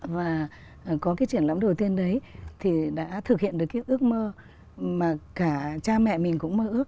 và có cái triển lãm đầu tiên đấy thì đã thực hiện được cái ước mơ mà cả cha mẹ mình cũng mơ ước